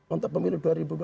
untuk pemilu dua ribu dua puluh